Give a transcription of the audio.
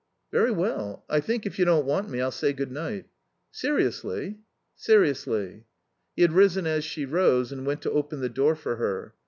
"Very well. I think, if you don't want me, I'll say good night." "Seriously?" "Seriously." He had risen as she rose and went to open the door for her.